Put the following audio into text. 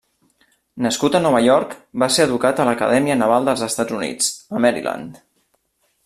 Nascut a Nova York, va ser educat a l'Acadèmia Naval dels Estats Units, a Maryland.